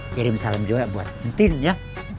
kirim salam juga buat intin ya